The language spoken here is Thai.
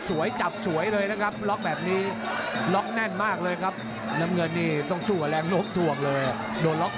สอนหน้านี้นี่อรัวมัติขู่ลุ่นน้องมุมแดงที่เห็นแล้วครับสสอนหน้านี้นี่อรัวมัติขู่ลุ่นน้องมุมแดงที่เห็นแล้วครับส